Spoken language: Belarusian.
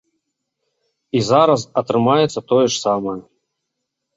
І зараз атрымаецца тое ж самае.